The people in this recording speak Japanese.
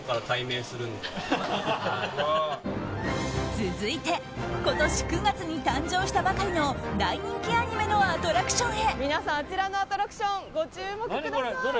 続いて、今年９月に誕生したばかりの大人気アニメのアトラクションへ。